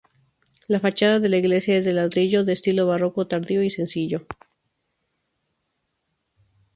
La fachada de la iglesia es de ladrillo, de estilo barroco tardío y sencillo.